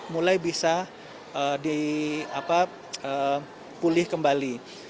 mulai bisa dipulih kembali